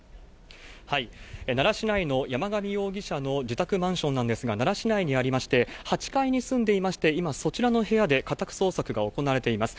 奈良市内の山上容疑者の自宅マンションなんですが、奈良市内にありまして、８階に住んでいまして、今、そちらの部屋で家宅捜索が行われています。